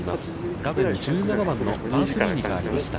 画面１７番のパー３に変わりました。